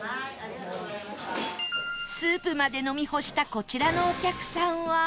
スープまで飲み干したこちらのお客さんは